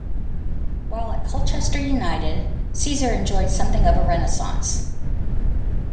While at Colchester United, Caesar enjoyed something of a renaissance.